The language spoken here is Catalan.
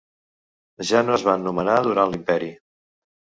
Ja no es van nomenar durant l'Imperi.